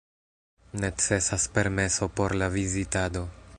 Necesas permeso por la vizitado.